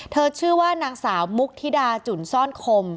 ชื่อว่านางสาวมุกธิดาจุ่นซ่อนคม